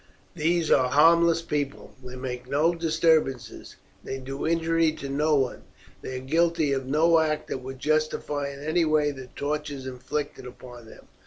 These are harmless people. They make no disturbances; they do injury to no one; they are guilty of no act that would justify in any way the tortures inflicted upon them.